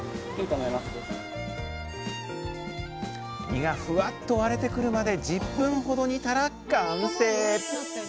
身がふわっと割れてくるまで１０分ほど煮たら完成。